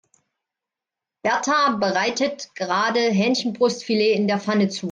Berta bereitet gerade Hähnchenbrustfilet in der Pfanne zu.